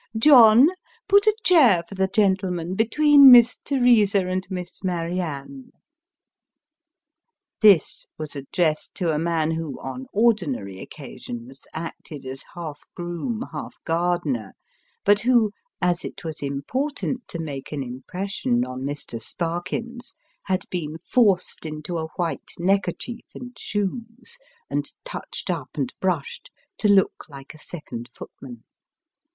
John, put a chair for the gentleman between Miss Teresa and Miss Marianne." This was addressed to a man who, on ordinary occasions, acted as half groom, half gardener ; but who, as it was important to make an impression on Mr. Sparkins, had been forced into a white neckerchief and shoes, and touched up, and brushed, to look like a second footman.